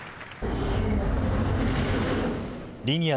リニア